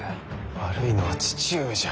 悪いのは父上じゃ。